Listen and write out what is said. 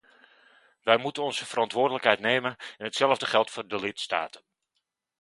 Wij moeten onze verantwoordelijkheid nemen en hetzelfde geldt voor de lidstaten.